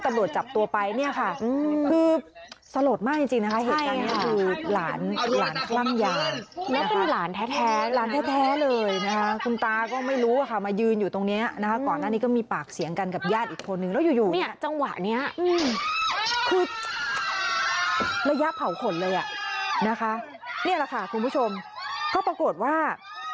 ระยะเผาขนเลยอ่ะนะคะเนี่ยแหละค่ะคุณผู้ชมก็ปรากฏว่า